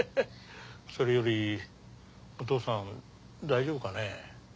それよりお父さん大丈夫かね。